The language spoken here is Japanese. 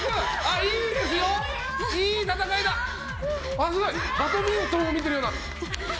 すごいバドミントンを見てるような。